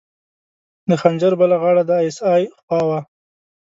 د خنجر بله غاړه د ای اس ای خوا وه.